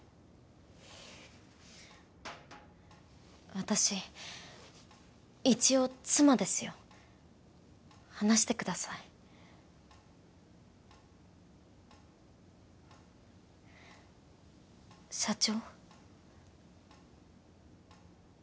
私一応妻ですよ話してください社長？